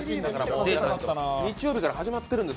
日曜日から始まってるんです。